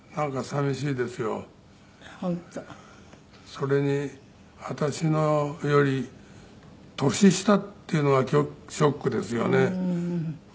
それに私より年下っていうのはショックですよね。